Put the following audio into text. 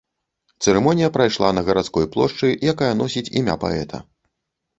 Цырымонія прайшла на гарадской плошчы, якая носіць імя паэта.